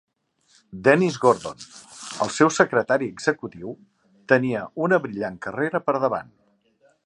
Dennis Gordon, el seu secretari executiu, tenia una brillant carrera per davant.